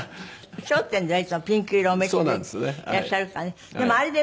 『笑点』ではいつもピンク色をお召しでいらっしゃるからね。